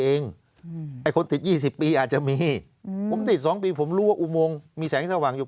เอง๘ติด๒๐ปีอาจจะมี๑๙๒พี่ผมรู้ว่าอุมีมีแสงสว่างอยู่